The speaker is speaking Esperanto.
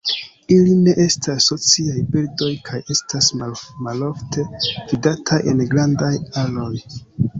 Ili ne estas sociaj birdoj kaj estas malofte vidataj en grandaj aroj.